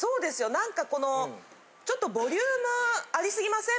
何かこのちょっとボリュームありすぎません？